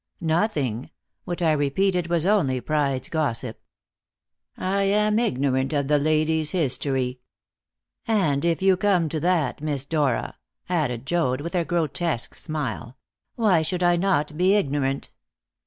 "Nothing. What I repeated was only Pride's gossip. I am ignorant of the lady's history. And if you come to that, Miss Dora," added Joad with a grotesque smile, "why should I not be ignorant?"